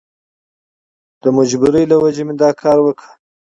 د مجبورۍ له وجهې مې دا کار وکړ.